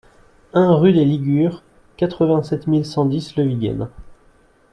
un rue des Ligures, quatre-vingt-sept mille cent dix Le Vigen